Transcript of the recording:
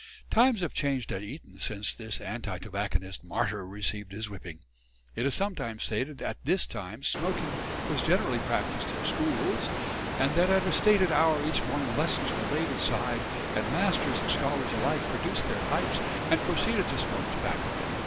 Times have changed at Eton since this anti tobacconist martyr received his whipping. It is sometimes stated that at this time smoking was generally practised in schools, and that at a stated hour each morning lessons were laid aside, and masters and scholars alike produced their pipes and proceeded to smoke tobacco.